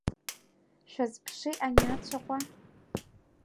Шәазԥши ани ацәаҟәа!